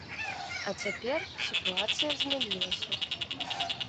А цяпер сітуацыя змянілася.